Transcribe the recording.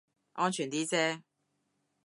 安全啲啫